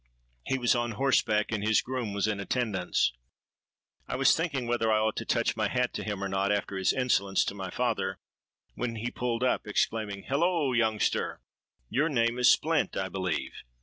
He was on horseback, and his groom was in attendance. I was thinking whether I ought to touch my hat to him or not, after his insolence to my father, when he pulled up, exclaiming, 'Holloa! youngster—your name is Splint, I believe?'